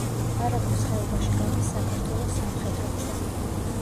არაგვის ხეობაში გადის საქართველოს სამხედრო გზა.